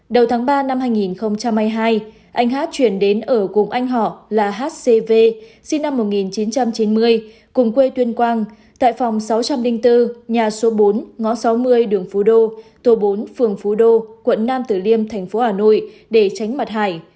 đầu tháng ba năm hai nghìn hai mươi hai anh hát chuyển đến ở cùng anh họ là hcv sinh năm một nghìn chín trăm chín mươi cùng quê tuyên quang tại phòng sáu trăm linh bốn nhà số bốn ngõ sáu mươi đường phú đô tổ bốn phường phú đô quận nam tử liêm thành phố hà nội để tránh mặt hải